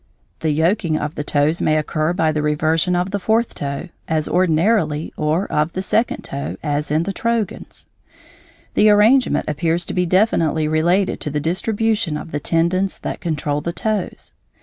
The "yoking" of the toes may occur by the reversion of the fourth toe, as ordinarily, or of the second toe, as in the trogons; the arrangement appears to be definitely related to the distribution of the tendons that control the toes.